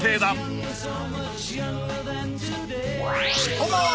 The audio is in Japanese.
こんばんは。